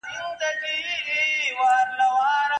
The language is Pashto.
د هغه په زړه کي بل د میني اور وو